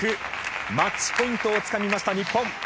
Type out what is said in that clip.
マッチポイントをつかみました日本。